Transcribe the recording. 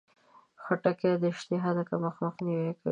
خټکی د اشتها کمښت مخنیوی کوي.